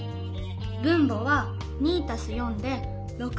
分母は２たす４で６。